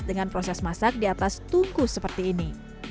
dengan proses masak di atas tungku seperti ini